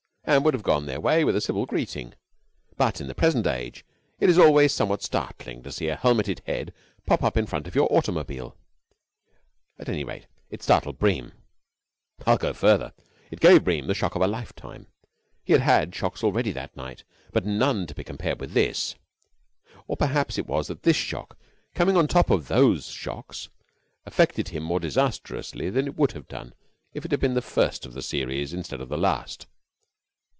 and would have gone on their way with a civil greeting. But in the present age it is always somewhat startling to see a helmeted head pop up in front of your automobile. At any rate, it startled Bream. I will go further. It gave Bream the shock of a lifetime. He had had shocks already that night, but none to be compared with this. Or perhaps it was that this shock, coming on top of those shocks, affected him more disastrously than it would have done if it had been the first of the series instead of the last.